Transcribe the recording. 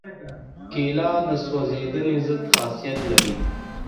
کېله د سوځېدنې ضد خاصیت لري.